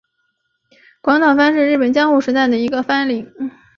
广岛藩是日本江户时代的一个藩领。